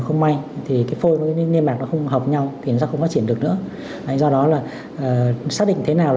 kích thích lớp niêm mạc tử cung quá dày sẽ được điều trị như thế nào